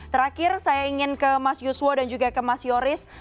terakhir saya ingin ke mas yuswo dan juga ke mas yoris